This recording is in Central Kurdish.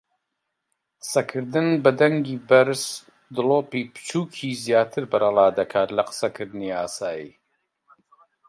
قسەکردن بە دەنگی بەرز دڵۆپی بچووکی زیاتر بەرەڵادەکات لە قسەکردنی ئاسایی.